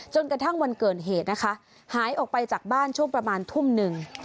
จนกระทั่งวันเกิดเหตุนะคะหายออกไปจากบ้านช่วงประมาณทุ่มหนึ่ง